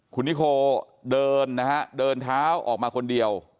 คุณนิโคเดินนะฮะเดินเท้าออกมาคนเดียว